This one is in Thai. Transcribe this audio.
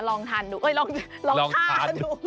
ลองทานดูเอ้ยลองทาดู